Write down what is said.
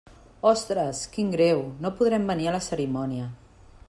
Ostres, quin greu, no podrem venir a la cerimònia.